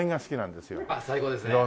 最高ですね。